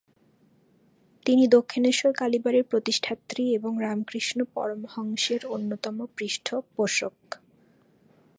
তিনি দক্ষিণেশ্বর কালীবাড়ির প্রতিষ্ঠাত্রী এবং রামকৃষ্ণ পরমহংসের অন্যতমা পৃষ্ঠপোষক।